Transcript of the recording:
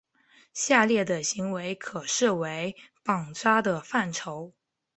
下列的行为可视为绑扎的范畴。